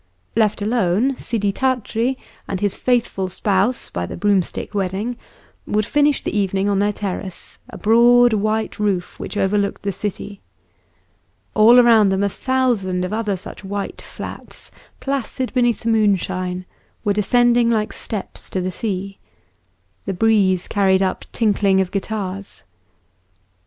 Left alone, Sidi Tart'ri and his faithful spouse by the broomstick wedding would finish the evening on their terrace, a broad white roof which overlooked the city. All around them a thousand of other such white flats, placid beneath the moonshine, were descending like steps to the sea. The breeze carried up tinkling of guitars.